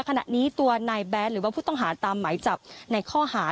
ขณะนี้ตัวนายแบทหรือว่าผู้ต้องหาตามหมายจับในข้อหา